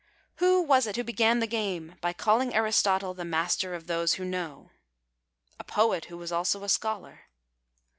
Who was it who began the game by calling Aristotle " the master of those who know "? A poet who was also a scholar.